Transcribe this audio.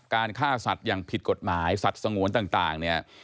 ฆ่าสัตว์อย่างผิดกฎหมายสัตว์สงวนต่างเนี่ย